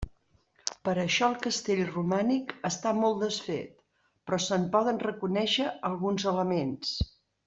Per això el castell romànic està molt desfet, però se'n poden reconèixer alguns elements.